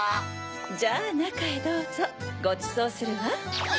じゃあなかへどうぞごちそうするわ。わい！